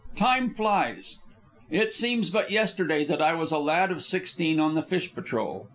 Time flies. It seems but yesterday that I was a lad of sixteen on the fish patrol.